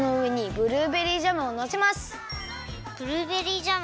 ブルーベリージャム。